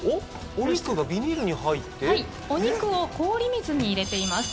お肉がビニールに入ってお肉を氷水に入れています